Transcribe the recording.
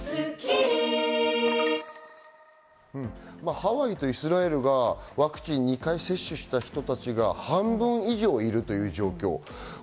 ハワイとイスラエルが、ワクチンを２回接種した人たちが半分以上いるという状況。